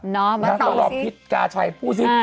ต้องรอบพิษก้าชายผู้ชาย